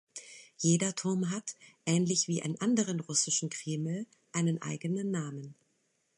Jeder Turm hat, ähnlich wie in anderen russischen Kreml, einen eigenen Namen.